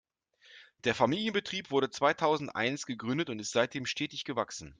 Der Familienbetrieb wurde zweitausendeins gegründet und ist seitdem stetig gewachsen.